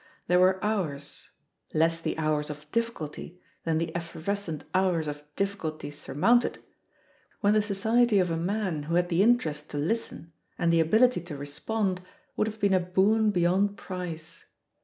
There were hours — ^less the hours of diffi culty than the effervescent hours of diflBiculties surmounted — ^when the society of a man who had the interest to listen and the ability to respond would have been a boon beyond price.